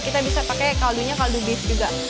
kita bisa pakai kaldunya kaldu beef juga